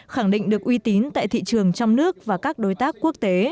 khẳng định được uy tín tại thị trường trong nước và các đối tác quốc tế